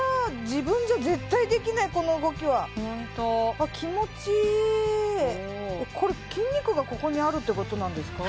自分じゃ絶対できないこの動きはホントあっ気持ちいいえっこれ筋肉がここにあるっていうことなんですか？